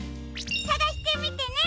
さがしてみてね！